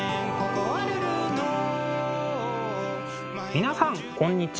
皆さんこんにちは。